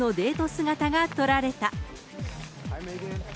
姿が撮られた。